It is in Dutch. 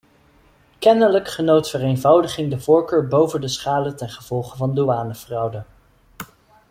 Kennelijk genoot vereenvoudiging de voorkeur boven de schade ten gevolge van douanefraude.